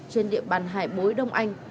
trên địa bàn hải bối đông anh